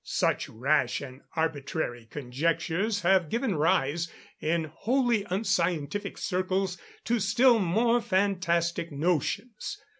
Such rash and arbitrary conjectures have given rise, in wholly unscientific circles, to still more fantastic notions.